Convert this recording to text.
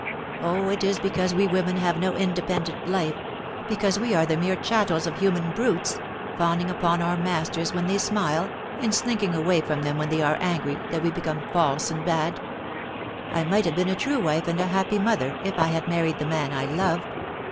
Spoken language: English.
Oh, it is because we women have no independent life — because we are the mere chattels of human brutes, fawning upon our masters when they smile, and slinking away from them when they are angry, that we become false and bad I might have been a true wife and a happy mother if I had married the man I loved.